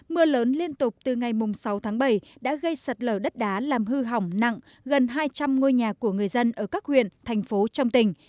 mưa lớn liên tục từ ngày sáu tháng bảy đã gây sạt lở đất đá làm hư hỏng nặng gần hai trăm linh ngôi nhà của người dân ở các huyện thành phố trong tỉnh